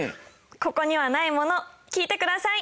『ここにはないもの』聴いてください。